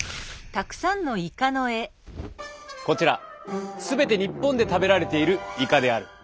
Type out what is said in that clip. こちら全て日本で食べられているイカである。